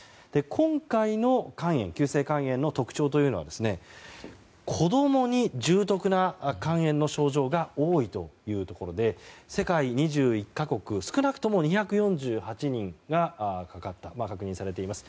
今回の急性肝炎の特徴というのは子供に重篤な肝炎の症状が多いというところで世界２１か国少なくとも２４８人が確認されています。